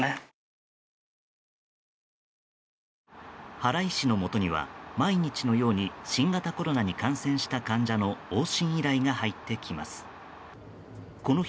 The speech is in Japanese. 原医師のもとには毎日のように新型コロナに感染した患者の往診依頼が入ってきます。